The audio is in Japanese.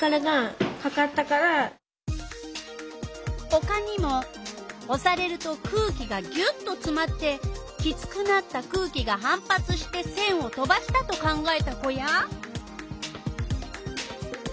ほかにもおされると空気がぎゅっとつまってきつくなった空気が反発してせんを飛ばしたと考えた子や。